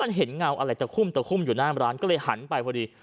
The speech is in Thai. มันเห็นเงากันอะไรแต่คุ้มอยู่หน้าพอกว่าย้างร้านแบบฝั่งหันไป